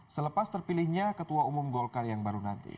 selepas terpilihnya ketua umum golkar yang baru nanti